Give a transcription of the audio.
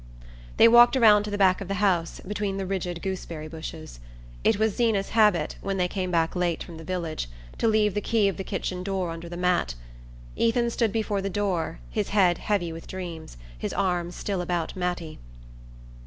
They walked around to the back of the house, between the rigid gooseberry bushes. It was Zeena's habit, when they came back late from the village, to leave the key of the kitchen door under the mat. Ethan stood before the door, his head heavy with dreams, his arm still about Mattie.